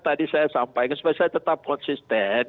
tadi saya sampai saya tetap konsisten